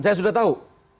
saya sudah tahu